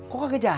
kok kagak jadi